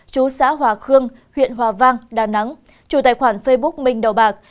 chú xã hòa khương huyện hòa vang đà nẵng chủ tài khoản facebook minh đào bạc